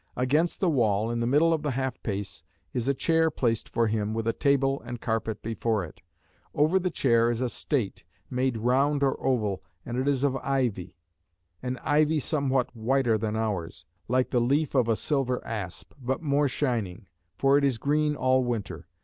Against the wall, in the middle of the half pace, is a chair placed for him, with a table and carpet before it. Over the chair is a state, made round or oval, and it is of ivy; an ivy somewhat whiter than ours, like the leaf of a silver asp; but more shining; for it is green all winter.